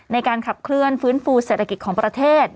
ในการขับเคลื่อนฟื้นฟูเศรษฐกิจของประเทศ